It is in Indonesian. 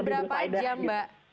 berapa jam mbak